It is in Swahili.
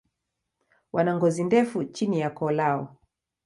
Wana ngozi ndefu chini ya koo lao.